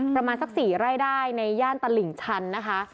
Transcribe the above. ประมาณสัก๔ไร่ได้ในย่านตลิ่งชันนะคะ